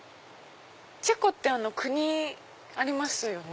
チェコって国ありますよね。